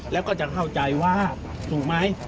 แล้วก็จะเข้าใจว่าถูกไหม